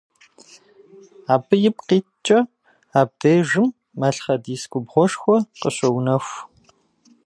Абы ипкъ иткӏэ абдежым малъхъэдис губгъуэшхуэ къыщоунэху.